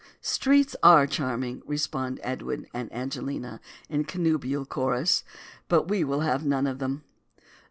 Streets are charming, respond Edwin and Angelina in connubial chorus, but we will have none of them.